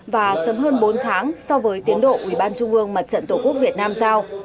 và sớm hơn bốn tháng so với tiến độ ủy ban trung ương mặt trận tổ quốc việt nam giao